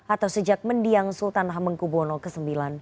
atau sejak mendiang sultan hamengkubwono ke sembilan